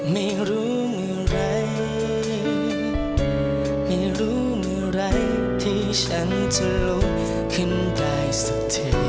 ไม่รู้อย่างไรไม่รู้เมื่อไหร่ที่ฉันจะลุกขึ้นได้สักที